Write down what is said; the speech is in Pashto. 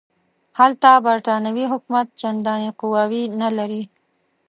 هلته برټانوي حکومت چنداني قواوې نه لري.